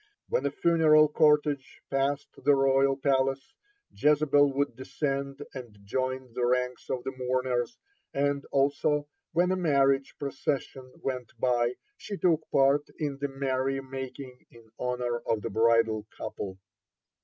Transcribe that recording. Whenever a funeral cortege passed the royal palace, Jezebel would descend and join the ranks of the mourners, and, also, when a marriage procession went by, she took part in the merry making in honor of the bridal couple.